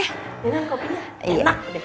iya non kopinya enak